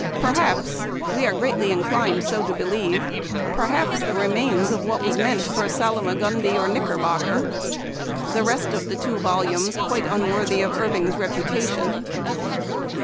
Perhaps — we are greatly inclined so to believe — perhaps the remains of what was meant for Salmagundi or Knickerbocker ; the rest of the two volumes quite unworthy of Irving's reputation.